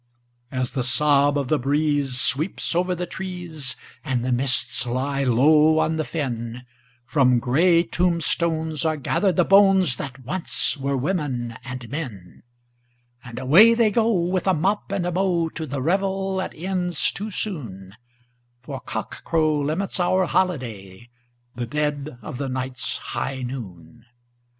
As the sob of the breeze sweeps over the trees, and the mists lie low on the fen, From grey tombstones are gathered the bones that once were women and men, And away they go, with a mop and a mow, to the revel that ends too soon, For cockcrow limits our holiday—the dead of the night's high noon!